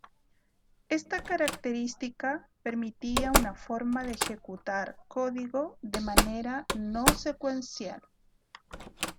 Esta característica permitía una forma de ejecutar código de manera no secuencial.